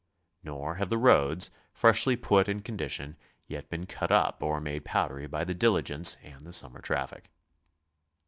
Nor have the roads, freshly put in condi tion, yet been cut up or made powdery by the diligence and the summer 'traffic.